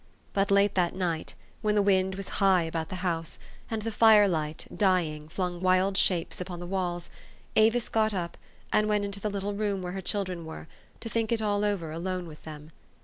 But late that night, when the wind was high about the house, and the firelight, djing, flung wild shapes upon the walls, Avis got up, and went into the little room where her children were, to think it all over alone with them.